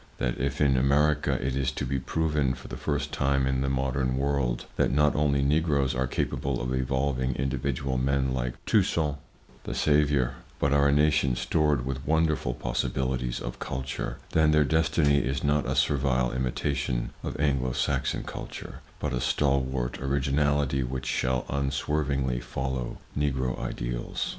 That if in America it is to be proven for the first time in the modern world that not only Negroes are capable of evolving individual men like Toussaint, the Saviour, but are a nation stored with wonderful possibilities of culture, then their destiny is not a servile imitation of Anglo Saxon culture, but a stalwart originality which shall unswervingly follow Negro ideals.